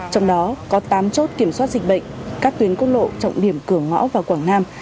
trong đó có tám chốt kiểm soát dịch bệnh các tuyến quốc lộ trọng điểm cửa ngõ vào quảng nam